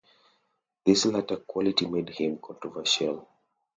This latter quality made him controversial.